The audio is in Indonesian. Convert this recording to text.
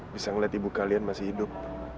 bisa ngeliat ibu kalian masih hidup